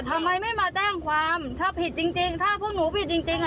ทำไมไม่มาแจ้งความถ้าผิดจริงจริงถ้าพวกหนูผิดจริงจริงอ่ะ